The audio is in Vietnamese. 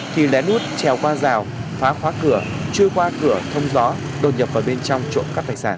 thì lé đút trèo qua rào phá khóa cửa chui qua cửa thông gió đột nhập vào bên trong trộm các tài sản